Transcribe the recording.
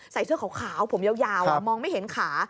เสื้อขาวผมยาวมองไม่เห็นขา